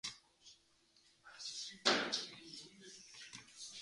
Энд аймшигт хэрэг болсон нь улам бүр тодорхой болжээ.